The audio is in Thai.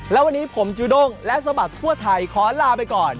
แล้ววันนี้ผมจูด้งและสะบัดทั่วไทยขอลาไปก่อน